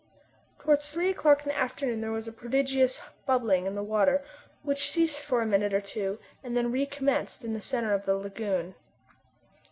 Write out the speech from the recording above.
Towards three o'clock in the afternoon there was a prodigious bubbling in the water, which ceased for a minute or two and then recommenced in the centre of the lagoon.